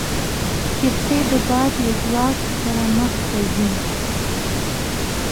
کښتۍ د باد له ځواک سره مخ ته ځي.